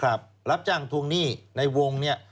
รับจ้างทวงหนี้ในวงเนี่ย